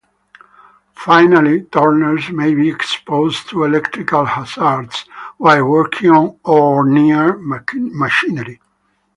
Finally, turners may be exposed to electrical hazards while working on or near machinery.